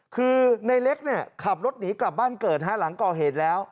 คือในเล็กขับรถหนีกลับบ้านเกิดหลังก็เห็นแล้ว